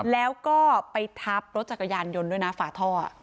แล้วก็ไปทับรถจักรยานยนต์ด้วยนะฝาท่อ